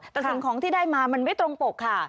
แต่สิ่งของที่ได้มามันไม่ตรงปกค่ะ